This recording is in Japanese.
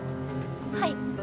はい。